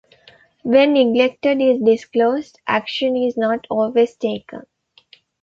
When neglect is disclosed, action is not always taken.